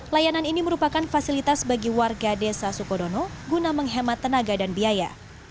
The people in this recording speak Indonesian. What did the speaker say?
layanan ini merupakan fasilitas bagi warga desa sukodono guna menghemat tenaga dan biaya